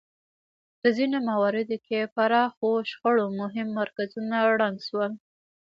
په ځینو مواردو کې پراخو شخړو مهم مرکزونه ړنګ شول.